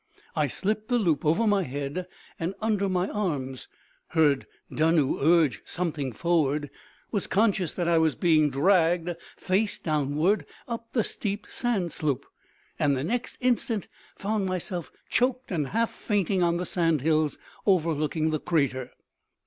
I slipped the loop over my head and under my arms; heard Dunnoo urge something forward; was conscious that I was being dragged, face downward, up the steep sand slope, and the next instant found myself choked and half fainting on the sand hills overlooking the crater."